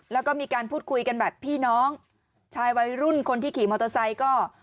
แล้วก็มีการพูดคุยกันแบบพี่น้องชายวัยรุ่นคนที่ขี่มอเตอร์ไซค์ก็